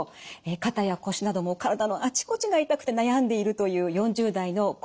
肩や腰など体のあちこちが痛くて悩んでいるという４０代の郷喜子さん。